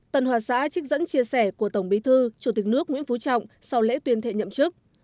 tân hòa xã trích dẫn chia sẻ của tổng bí thư chủ tịch nước nguyễn phú trọng sau lễ tuyên thệ nhậm chức